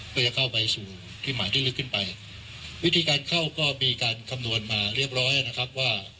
เพื่อจะเข้าไปสู่ที่หมายที่ลึกขึ้นไปวิธีการเข้าก็มีการคำนวณมาเรียบร้อยนะครับว่า